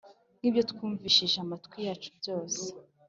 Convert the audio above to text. nk’ibyo twumvishije amatwi yacu byose.